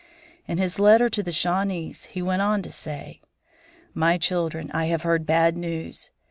In his letter to the Shawnees he went on to say: "My children, I have heard bad news.